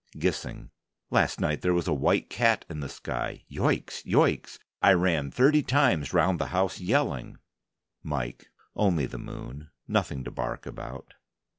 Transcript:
GISSING: Last night there was a white cat in the sky. Yoicks, yoicks! I ran thirty times round the house, yelling. MIKE: Only the moon, nothing to bark about.